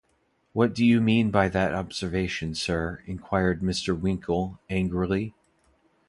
‘What do you mean by that observation, Sir?’ inquired Mr. Winkle, angrily.